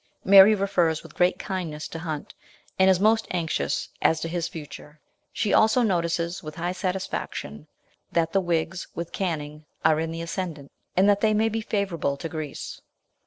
Mary refers with great kindness to Hunt, and is most anxious as to his future. She also notices with high satisfaction that the Whigs with Canning are in the ascendant, and that they may be favourable to Greece.